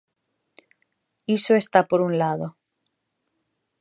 Iso está por un lado.